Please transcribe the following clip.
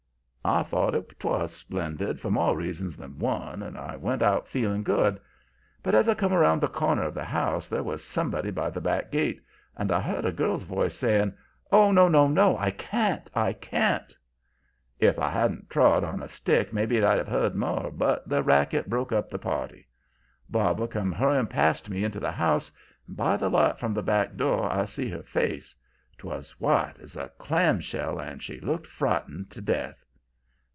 "I thought 'twas splendid for more reasons than one, and I went out feeling good. But as I come round the corner of the house there was somebody by the back gate, and I heard a girl's voice sayin': 'Oh, no, no! I can't! I can't!' "If I hadn't trod on a stick maybe I'd have heard more, but the racket broke up the party. Barbara come hurrying past me into the house, and by the light from the back door, I see her face. 'Twas white as a clam shell, and she looked frightened to death.